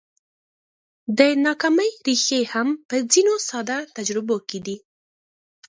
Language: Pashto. د ناکامۍ ريښې هم په ځينو ساده تجربو کې دي.